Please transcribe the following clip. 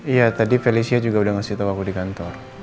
iya tadi felicia juga udah ngasih tau aku di kantor